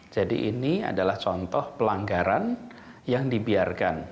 jadi ini adalah contoh pelanggaran yang dibiarkan